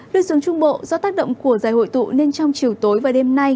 lưu xuống trung bộ do tác động của giải hội tụ nên trong chiều tối và đêm nay